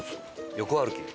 横歩きで。